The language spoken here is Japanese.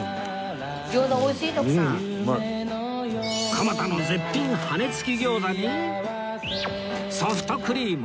蒲田の絶品羽根付き餃子にソフトクリーム